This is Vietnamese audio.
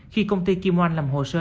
khi công ty kim oanh làm hồ sơ